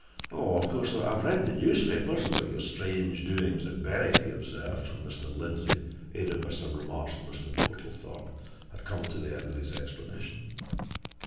"Of course, I've read the newspapers about your strange doings at Berwick," he observed, when Mr. Lindsey aided by some remarks from Mr. Portlethorpe had come to the end of his explanation.